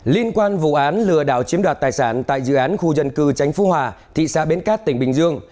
liên quan vụ án lừa đảo chiếm đoạt tài sản tại dự án khu dân cư tránh phú hòa thị xã bến cát tỉnh bình dương